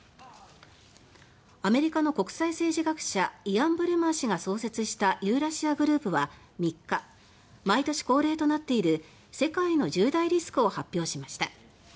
アメリカの著名な国際政治学者イアン・ブレマー氏が創設したユーラシアグループは３日毎年恒例となっている「世界の１０大リスク」を発表しました。